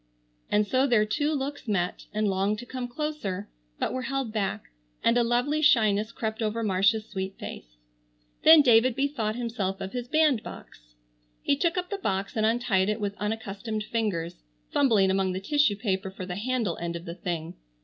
And so their two looks met, and longed to come closer, but were held back, and a lovely shyness crept over Marcia's sweet face. Then David bethought himself of his bandbox. He took up the box and untied it with unaccustomed fingers, fumbling among the tissue paper for the handle end of the thing.